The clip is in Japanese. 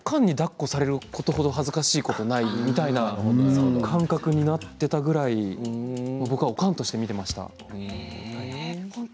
おかんに、だっこされること程恥ずかしいことはないという感覚になっていたぐらいおかんとして見ていました。